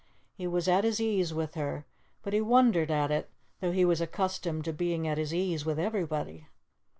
He was at his ease with her, but he wondered at it, though he was accustomed to being at his ease with everybody.